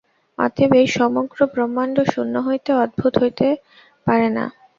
অতএব এই সমগ্র ব্রহ্মাণ্ড শূন্য হইতে উদ্ভূত হইতে পারে না।